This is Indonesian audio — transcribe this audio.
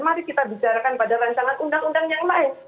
mari kita bicarakan pada rancangan undang undang yang lain